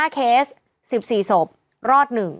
๕เคส๑๔ศพรอด๑